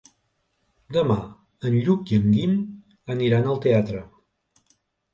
Demà en Lluc i en Guim aniran al teatre.